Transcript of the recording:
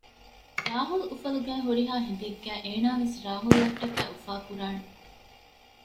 ރާހުލް އުފަލުގައި ހުރިހާ ހިނދެއްގައި އޭނާވެސް ރާހުލްއަށްޓަކާ އުފާކުރާނެ